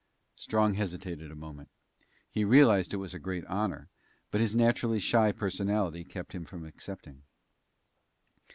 Strong hesitated a moment. He realized it was a great honor, but his naturally shy personality kept him from accepting.